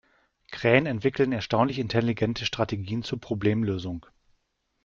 Krähen entwickeln erstaunlich intelligente Strategien zur Problemlösung.